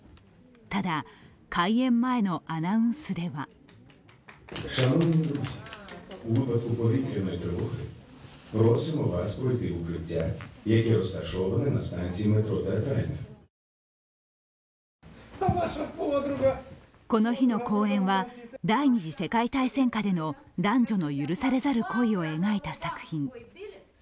ただ、開演前のアナウンスではこの日の公演は、第二次世界大戦下での男女の許されざる恋を描いた作品。